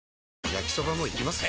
焼きソバもいきます？